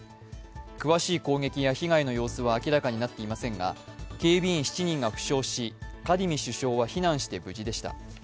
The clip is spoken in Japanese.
詳しい攻撃や被害の様子は明らかになっていませんが警備員７人が負傷し、カディミ首相は避難して無事でした。